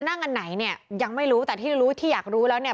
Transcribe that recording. อันไหนเนี่ยยังไม่รู้แต่ที่รู้ที่อยากรู้แล้วเนี่ย